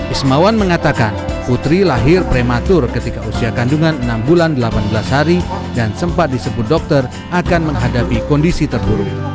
ismawan mengatakan putri lahir prematur ketika usia kandungan enam bulan delapan belas hari dan sempat disebut dokter akan menghadapi kondisi terburuk